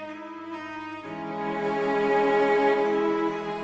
sampai jumpa lagi mams